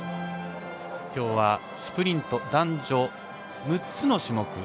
今日はスプリント男女６つの種目。